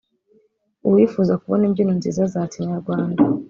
uwifuza kubona imbyino nziza za Kinyarwanda